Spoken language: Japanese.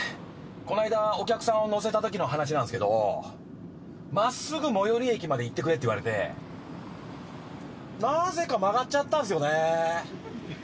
この間お客さんを乗せたときの話なんすけど「真っすぐ最寄り駅まで行ってくれ」って言われてなぜか曲がっちゃったんすよね。